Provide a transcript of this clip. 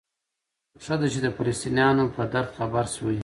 ښه ده چې د فلسطینیانو په درد خبر شوئ.